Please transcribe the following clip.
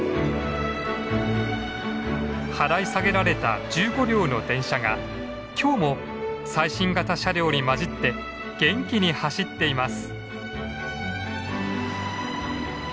払い下げられた１５両の電車が今日も最新型の車両に混じって元気に走っています。